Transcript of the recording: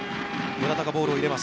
村田がボールを入れます。